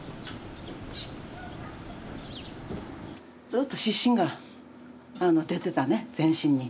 ずっと湿疹が出てたね全身に。